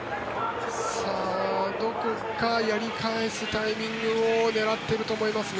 どこかやり返すタイミングを狙っていると思いますね。